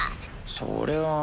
⁉それは。